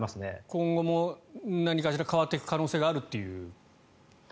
今後も何かしら変わっていく可能性があるという。